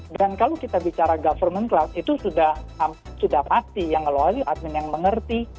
dan kalau kita bicara government cloud itu sudah pasti yang mengelola admin yang mengerti